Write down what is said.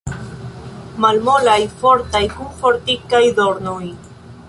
Malmolaj, fortaj, kun fortikaj dornoj.